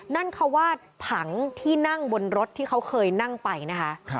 นั่นเขาว่าผังที่นั่งบนรถที่เขาเคยนั่งไปนะคะ